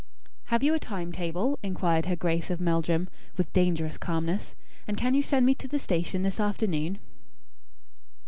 "Have you a time table?" inquired her Grace of Meldrum, with dangerous calmness. "And can you send me to the station this afternoon?"